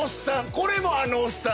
これもあのおっさん